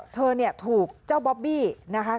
เธอเนี่ยถูกเจ้าบ๊อบบี้นะคะ